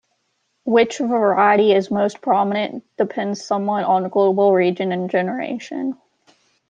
Which variety is most prominent depends somewhat on global region and generation.